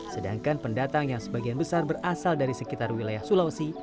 sedangkan pendatang yang sebagian besar berasal dari sekitar wilayah sulawesi